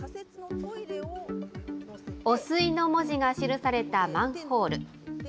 汚水の文字が記されたマンホール。